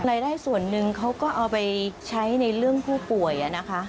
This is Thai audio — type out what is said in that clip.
รายได้ส่วนหนึ่งเขาก็เอาไปใช้ในเรื่องผู้ป่วยนะคะ